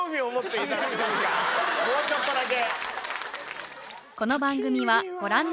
もうちょっとだけ。